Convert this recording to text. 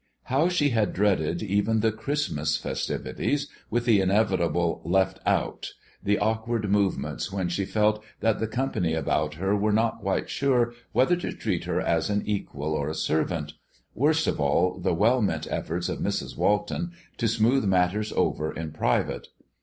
How she had dreaded even the Christmas festivities, with the inevitable being "left out" the awkward movements when she felt that the company about her were not quite sure whether to treat her as an equal or a servant, worst of all, the well meant efforts of Mrs. Walton to smooth matters over in private!